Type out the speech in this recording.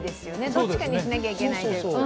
どっちかにしなきゃいけないじゃなくて。